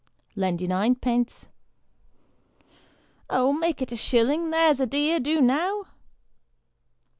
" Lend you ninepence." " Oh, make it a shillin' ; there's a dear do now